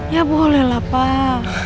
ya boleh lah pak